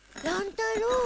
太郎